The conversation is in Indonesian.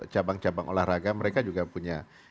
cabang cabang olahraga mereka juga punya